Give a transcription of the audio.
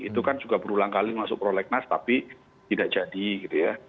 itu kan juga berulang kali masuk prolegnas tapi tidak jadi gitu ya